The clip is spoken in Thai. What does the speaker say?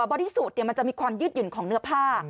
บริสุทธิ์มันจะมีความยืดหยุ่นของเนื้อผ้า